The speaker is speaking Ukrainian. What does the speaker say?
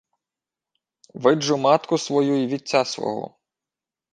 — Виджу матку свою й вітця свого.